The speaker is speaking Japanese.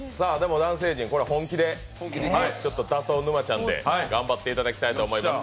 男性陣、本気で打倒沼ちゃんで頑張っていただきたいと思います。